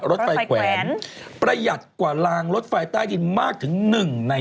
รถไฟแขวนประหยัดกว่าลางรถไฟใต้ดินมากถึงหนึ่งใน